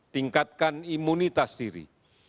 tingkatkan imunitas diri